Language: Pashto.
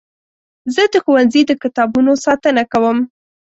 زه د ښوونځي د کتابونو ساتنه کوم.